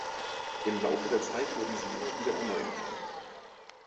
Im Laufe der Zeit wurde sie immer wieder erneuert.